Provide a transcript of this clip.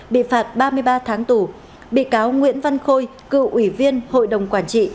bị phạt ba mươi ba tháng tù bị cáo nguyễn văn khôi cựu ủy viên hội đồng quản trị